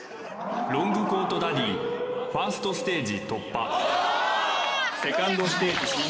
ロングコートダディファーストステージ